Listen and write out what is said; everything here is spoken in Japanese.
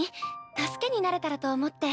助けになれたらと思って。